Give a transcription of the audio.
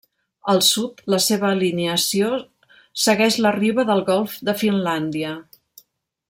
Al sud, la seva alineació segueix la riba del golf de Finlàndia.